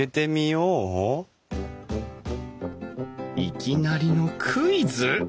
いきなりのクイズ！？